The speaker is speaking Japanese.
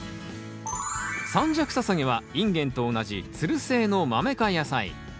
三尺ササゲはインゲンと同じつる性のマメ科野菜。